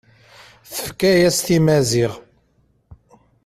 Tefka-yas-t i Maziɣ.